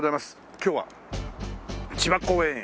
今日は千葉公園駅。